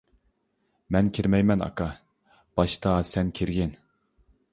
-مەن كىرمەيمەن ئاكا، باشتا سەن كىرگىن.